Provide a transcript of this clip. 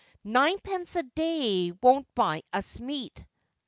Ninepence a day won't buy us meat!